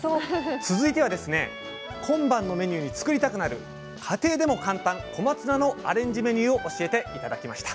続いてはですね今晩のメニューに作りたくなる家庭でも簡単小松菜のアレンジメニューを教えて頂きました。